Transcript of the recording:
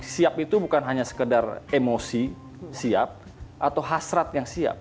siap itu bukan hanya sekedar emosi siap atau hasrat yang siap